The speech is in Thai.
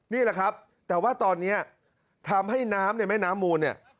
นี่แหละครับแต่ว่าตอนนี้ทำให้น้ำในแม่น้ำมูลเนี่ย